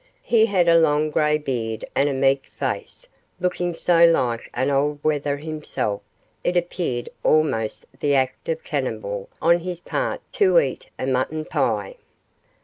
He had a long grey beard and a meek face, looking so like an old wether himself it appeared almost the act of a cannibal on his part to eat a mutton pie.